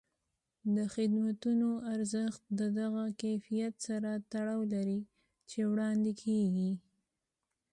د خدمتونو ارزښت د هغه کیفیت سره تړاو لري چې وړاندې کېږي.